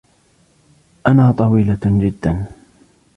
أنا طويلة جدا.